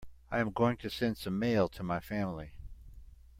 I am going to send some mail to my family.